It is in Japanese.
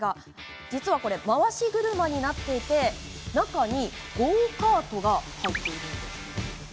実は回し車になっていて、中にゴーカートが入っているんです。